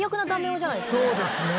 そうですね。